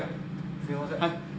すみません。